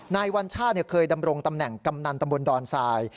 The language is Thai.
วัญชาติเคยดำรงตำแหน่งกำนันตำบลดอนทราย